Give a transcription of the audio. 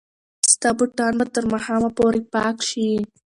ستا بوټان به تر ماښامه پورې پاک شي.